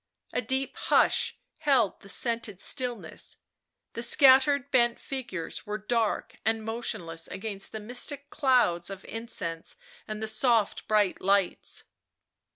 A deep hush held the scented stillness; the scattered bent figures were dark and motionless against the mystic clouds of incense and the soft bright lights.